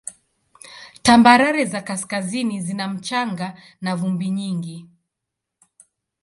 Tambarare za kaskazini zina mchanga na vumbi nyingi.